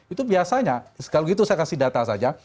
itu biasanya kalau gitu saya kasih data saja